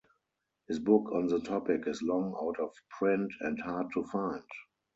His book on the topic is long out-of-print and hard to find.